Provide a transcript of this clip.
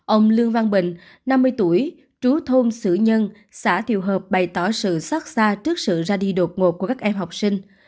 ông lương văn bình năm mươi tuổi trú thôn sử nhân xã thiều hợp bày tỏ sự xót xa trước sự ra đi đột ngột của các em học sinh